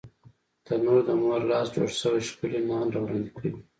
تنور د مور لاس جوړ شوی ښکلی نان وړاندې کوي